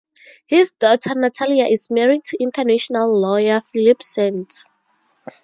His daughter Natalia is married to international lawyer Philippe Sands.